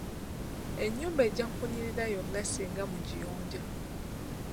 Ennyumba ejja kunyirira yonna singa mugiyonja.